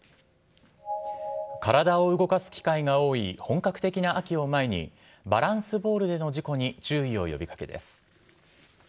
体を動かす機会が多い本格的な秋を前に、バランスボールでの事故に注意を呼びかけです。